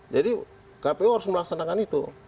jadi kpu harus melaksanakan itu